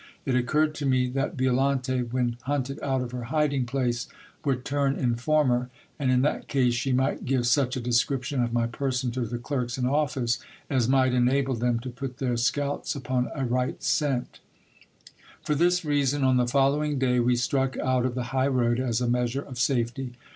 It occurred to me that Violante, when hunted out of her hiding place, would turn informer, and in that case she might give such a description of my person to the clerks in office, as might enable them to put their scouts upon a right 206 GIL BLAS. scent. For this reason, on the following day we struck out of the high road, as a measure of safety.